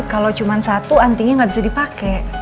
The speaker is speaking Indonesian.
kalau cuma satu antingnya nggak bisa dipake